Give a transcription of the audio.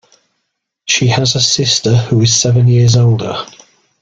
She has a sister who is seven years older.